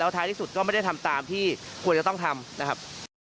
ท้ายที่สุดก็ไม่ได้ทำตามที่ควรจะต้องทำนะครับ